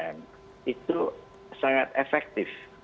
terus penggunaan tiga m itu sangat penting